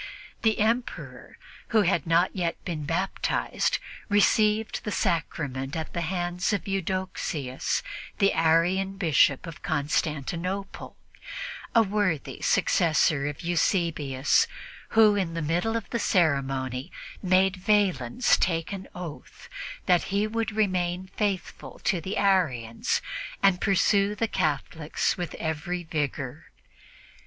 The Emperor, who had not yet been baptized, received the Sacrament at the hands of Eudoxius, the Arian Bishop of Constantinople, a worthy successor of Eusebius, who, in the middle of the ceremony, made Valens take an oath that he would remain faithful to the Arians and pursue the Catholics with every rigor.